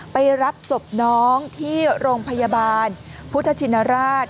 ไปรับศพน้องที่โรงพยาบาลพุทธชินราช